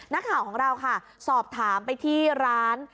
นักข่าวของเราค่ะสอบถามไปที่ร้าน